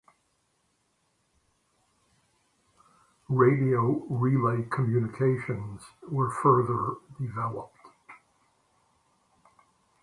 Radio relay communications were further developed.